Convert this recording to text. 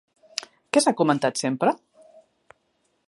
Què s'ha comentat sempre?